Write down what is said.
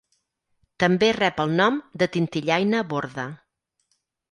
També rep el nom de tintillaina borda.